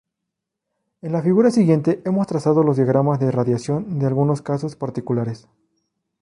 En la figura siguiente hemos trazado los diagramas de radiación de algunos casos particulares.